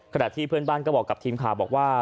ขณะที่เพื่อนบ้านก็บอกกับทีมข่าวบอกว่า